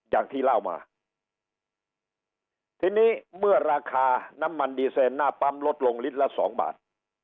อย่างที่เล่ามาทีนี้เมื่อราคาน้ำมันดีเซนหน้าปั๊มลดลงลิตรละสองบาท